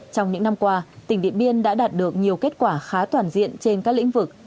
trong những năm qua tỉnh điện biên đã đạt được nhiều kết quả khá toàn diện trên các lĩnh vực